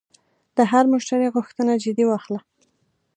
د هر مشتری غوښتنه جدي واخله.